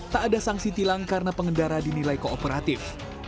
tak ada sanksi tilang karena pengendara dinilai kooperatif